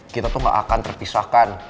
kita tuh gak akan terpisahkan